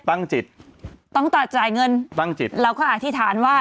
ตั้งจิตต้องตัดจ่ายเงินตั้งจิตเราก็อธิษฐานว่า